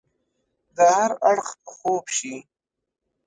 د هر اړخ خوب شي